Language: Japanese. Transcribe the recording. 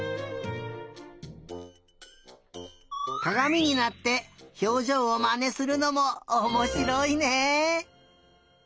かがみになってひょうじょうをまねするのもおもしろいね！